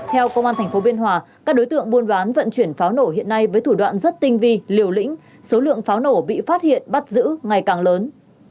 theo công an tp biên hòa các đối tượng buôn bán vận chuyển pháo nổ hiện nay với thủ đoạn rất tinh vi liều lĩnh số lượng pháo nổ bị phát hiện bắt giữ ngày càng lớn